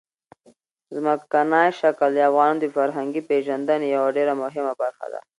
ځمکنی شکل د افغانانو د فرهنګي پیژندنې یوه ډېره مهمه برخه ده.